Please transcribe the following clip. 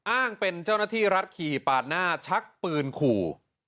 อ้างเป็นเจ้าหน้าที่รัฐขี่ปาดหน้าชักปืนขู่